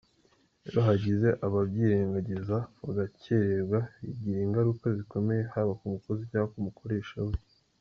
Iyo hagize ababyirengagiza bagakererwa, bigira ingaruka zikomeye haba ku mukozi cyangwa ku mukoresha we.